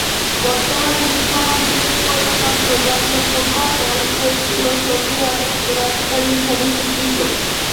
বর্তমানে বিদ্যমান চেক প্রজাতন্ত্র জাতীয় ফুটবল দল চেকোস্লোভাকিয়ার উত্তরাধিকারী হিসেবে স্বীকৃত।